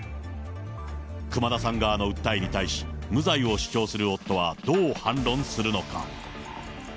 熊田さん側の訴えに対し、無罪を主張する夫はどう反論するのか。